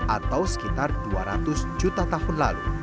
atau sekitar dua ratus juta tahun lalu